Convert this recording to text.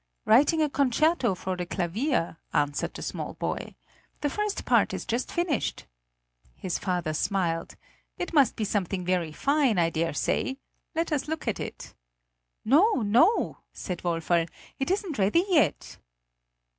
"Writing a concerto for the clavier," answered the small boy. "The first part is just finished." His father smiled. "It must be something very fine, I dare say; let us look at it." "No, no," said Woferl, "it isn't ready yet."